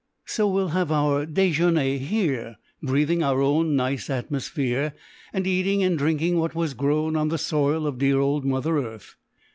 So we'll have our déjeuner here, breathing our own nice atmosphere, and eating and drinking what was grown on the soil of dear old Mother Earth.